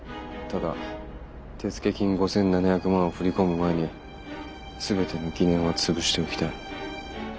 ただ手付金５，７００万を振り込む前に全ての疑念は潰しておきたい。